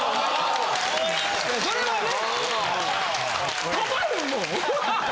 それはね。